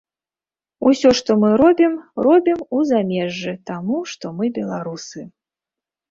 Усё, што мы робім, робім у замежжы таму, што мы беларусы.